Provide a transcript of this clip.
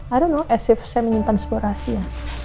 i don't know as if saya menyimpan sebuah rahasia